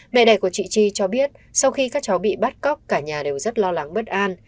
mẹ đẻ của chị chi cho biết sau khi các cháu bị bắt cóc cả nhà đều rất lo lắng bất an